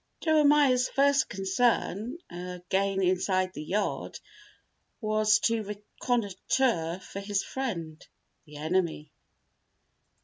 Jeremiah's first concern, again inside the yard, was to reconnoitre for his friend, the enemy.